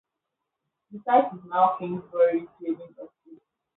The site is now Kingsbury Trading Estate.